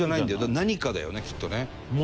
何かだよねきっとね。